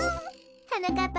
はなかっ